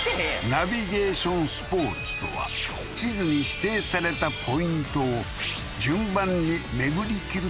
ナビゲーションスポーツとは地図に指定されたポイントを順番に巡りきる